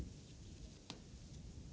janganlah kau berguna